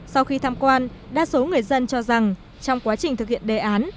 sau khi tham quan đa số người dân cho rằng trong quá trình thực hiện đề án